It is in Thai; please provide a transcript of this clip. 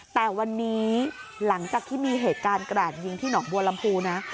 แต่วันนี้หลังจากที่มีเหตุการณ์กระดยิงที่หนองบัวลำพูนะ